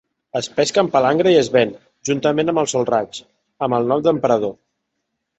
Es pesca amb palangre i es ven, juntament amb el solraig, amb el nom d'emperador.